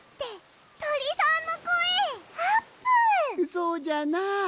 そうじゃなあ。